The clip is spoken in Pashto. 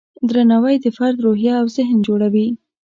درناوی د فرد روحیه او ذهن جوړوي.